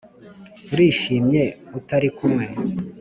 urishimye utari kumwe